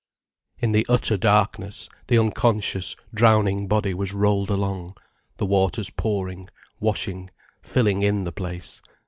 In the utter darkness, the unconscious, drowning body was rolled along, the waters pouring, washing, filling in the place.